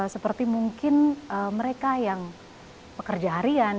seperti mungkin mereka yang pekerja harian